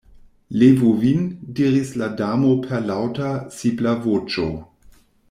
"Levu vin," diris la Damo per laŭta, sibla voĉo.